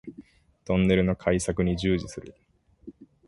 トンネルの開削に従事する